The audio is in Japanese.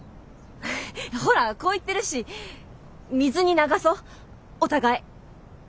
ほらこう言ってるし水に流そうお互い。